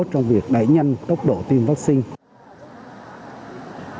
trong việc đẩy nhanh tốc độ tiêm vaccine